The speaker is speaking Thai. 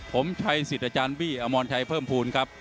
ผมชัยสิทธิ์อาจารย์บี้อมรชัยเพิ่มภูมิครับ